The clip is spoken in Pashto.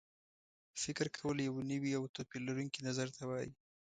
فکر کول یو نوي او توپیر لرونکي نظر ته وایي.